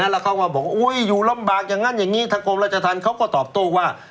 แล้วเขาก็บอกว่าอยู่ลำบากอย่างนั้นอย่างนี้ทางกรมราชธรรมเขาก็ตอบโต้ว่า